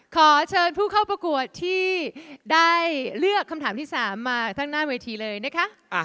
ขอเชิญผู้เข้าประกวดที่ได้เลือกคำถามที่๓มาทั้งหน้าเวทีเลยนะคะ